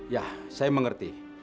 yah saya mengerti